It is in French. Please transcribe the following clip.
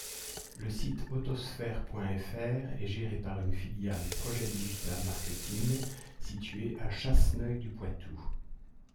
Le site autosphere.fr est géré par une filiale Projet Digital Marketing située à Chasseneuil-du-Poitou.